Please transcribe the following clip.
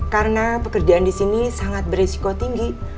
karena pekerjaan di sini sangat beresiko tinggi